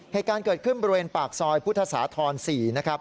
เหตุการณ์เกิดขึ้นบริเวณปากซอยพุทธศาธร๔นะครับ